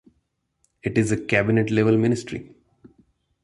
It is a cabinet-level ministry.